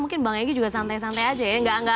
mungkin bank egy juga santai santai saja ya